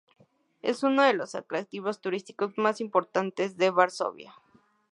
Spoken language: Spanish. Es uno de los atractivos turísticos más importantes de Varsovia.